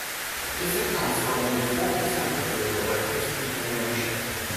This accounts for only four percent of their electricity generation.